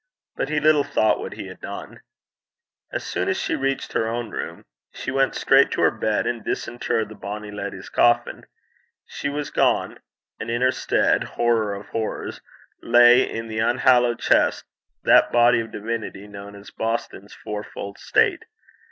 But he little thought what he had done. As soon as she reached her own room, she went straight to her bed and disinterred the bonny leddy's coffin. She was gone; and in her stead, horror of horrors! lay in the unhallowed chest that body of divinity known as Boston's Fourfold State.